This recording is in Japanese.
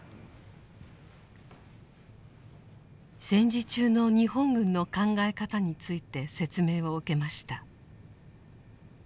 戦時中の日本軍の考え方について説明を受けました。